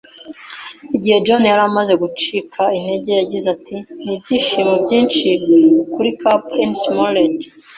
Igihe John yari amaze gucika intege, yagize ati: “Nibyishimo byinshi kuri Cap'n Smollett.